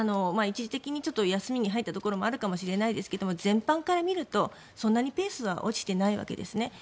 一時的に休みに入ったところもあるかもしれないですけど全体的に見るとそんなにペースは落ちてないわけですね。